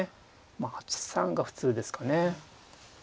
まあ８三が普通ですかね。